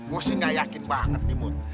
gue sih gak yakin banget nih mut